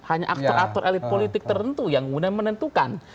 hanya aktor aktor elit politik tertentu yang kemudian menentukan